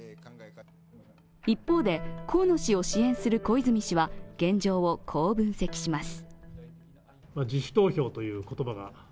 一方で、河野氏を支援する小泉氏は現状を、こう分析します。